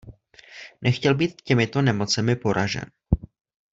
Nechtěl být těmito nemocemi poražen.